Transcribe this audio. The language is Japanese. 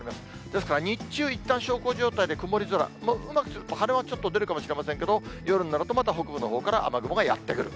ですから、日中いったん小康状態で曇り空、うまくすると晴れ間はちょっと出るかもしれませんけど、夜になると、また北部のほうから雨雲がやって来る。